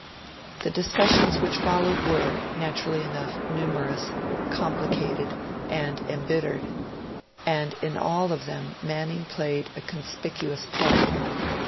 The discussions which followed were, naturally enough, numerous, complicated, and embittered, and in all of them Manning played a conspicuous part.